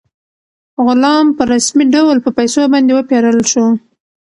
غلام په رسمي ډول په پیسو باندې وپېرل شو.